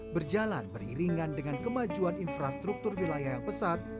berjalan beriringan dengan kemajuan infrastruktur wilayah yang pesat